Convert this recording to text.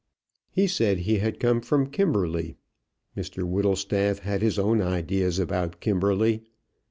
He said he had come from Kimberley. Mr Whittlestaff had his own ideas about Kimberley.